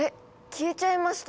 消えちゃいました。